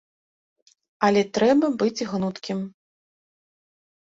Але трэба быць гнуткім.